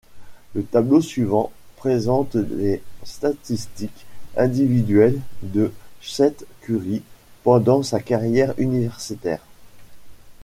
Le tableau suivant présente les statistiques individuelles de Seth Curry pendant sa carrière universitaire.